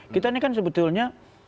kita kan ini sebetulnya